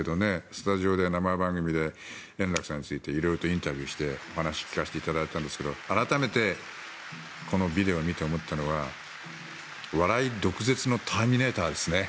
スタジオで生番組で円楽さんについて色々とインタビューしてお話を聞かせていただいたんですが改めてこのビデオを見て思ったのは笑い、毒舌の「ターミネーター」ですね。